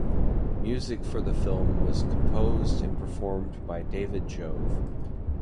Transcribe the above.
Music for the film was composed and performed by David Jove.